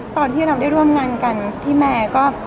ตอนที่เราได้ร่วมงานกันพี่แมร์ก็